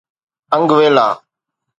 آنگويلا